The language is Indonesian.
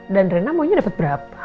dan rena maunya dapat berapa